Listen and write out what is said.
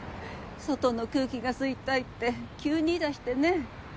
外の空気が吸いたいって急に言いだしてね。